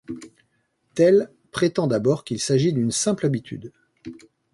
Tell prétend d'abord qu'il s'agit d'une simple habitude.